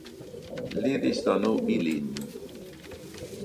Li disdonu ilin.